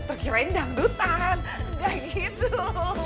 gak bisa begitu